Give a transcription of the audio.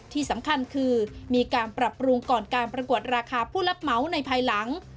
ที่สำคัญคือมีการปรับปรุงก่อนการประกวดราคาผู้รับเหมาในภายหลัง